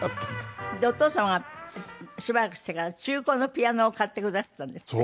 お父様がしばらくしてから中古のピアノを買ってくだすったんですって？